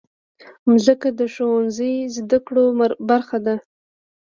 مځکه د ښوونځي زدهکړو برخه ده.